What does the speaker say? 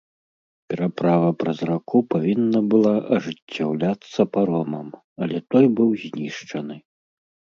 Пераправа праз раку павінна была ажыццяўляцца паромам, але той быў знішчаны.